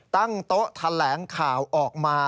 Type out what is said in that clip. ตั้งโต๊ะแถลงข่าวออกมา